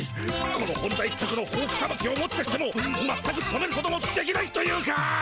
この本田一直のホウキさばきをもってしてもまったく止めることもできないというか。